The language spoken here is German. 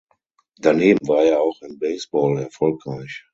Daneben war er auch im Baseball erfolgreich.